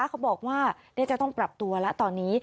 เขาบอกว่าจะต้องปรับตัวแล้วตอนนี้